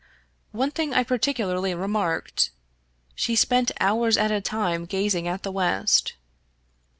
One thing I par ticularly remarked : she spent hours at a time gazing at the west.